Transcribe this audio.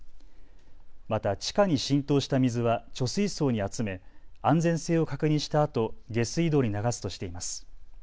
また地下に浸透した水は貯水槽に集め安全性を確認したあと下水道に流すとしています。